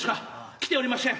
来ておりましぇん。